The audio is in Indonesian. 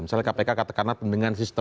misalnya kpk kata karena pembinaan sistem